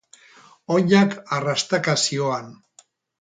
Oinak arrastaka zihoan.